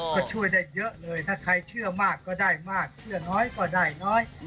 ก็ช่วยได้เยอะเลยถ้าใครเชื่อมากก็ได้มากเชื่อน้อยก็ได้น้อย